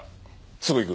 すぐ行く。